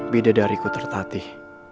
beda dariku tertatih